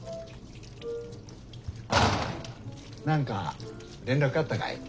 何か連絡あったかい？